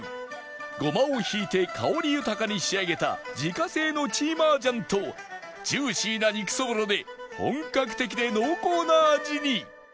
胡麻をひいて香り豊かに仕上げた自家製の芝麻醤とジューシーな肉そぼろで本格的で濃厚な味に